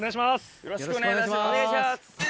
よろしくお願いします。